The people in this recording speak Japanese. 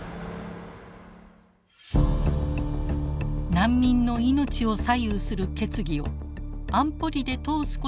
難民の命を左右する決議を安保理で通すことはできるのか。